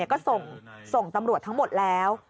ก็ส่งตำรวจทั้งหมดแล้ว